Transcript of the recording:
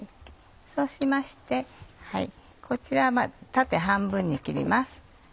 そうしましてこちらまず縦半分に切ります。